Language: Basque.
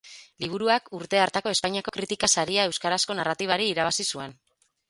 Liburuak urte hartako Espainiako Kritika Saria euskarazko narratibari irabazi zuen.